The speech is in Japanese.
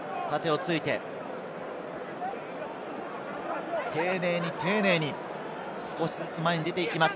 縦をついて、丁寧に丁寧に、少しずつ前に出ていきます。